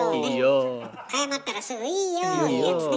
謝ったらすぐ「いぃよぉ」いうやつね。